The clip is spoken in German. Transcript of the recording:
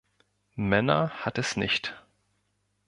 Männer hat es nicht“.